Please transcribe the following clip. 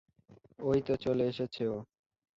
অইতো চলে এসেছে ও!